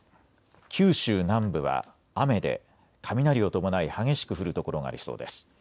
九州南部は雨で雷を伴い激しく降る所がありそうです。